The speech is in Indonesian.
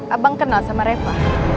abang kenal sama reva